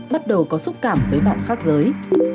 bắt đầu có xúc cảm với bạn khác giới